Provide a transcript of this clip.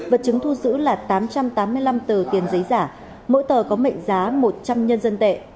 vật chứng thu giữ là tám trăm tám mươi năm tờ tiền giấy giả mỗi tờ có mệnh giá một trăm linh nhân dân tệ